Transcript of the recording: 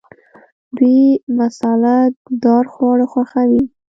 دوی مساله دار خواړه خوښوي.